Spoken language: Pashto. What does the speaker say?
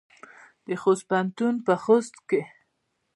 د خوست پوهنتون په خوست کې دی